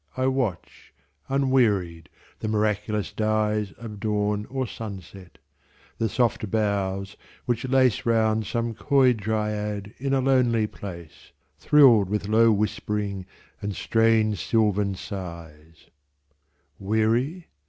I watch, unwearied, the miraculous dyesOf dawn or sunset; the soft boughs which laceRound some coy dryad in a lonely place, Thrilled with low whispering and strange sylvan sighs:Weary?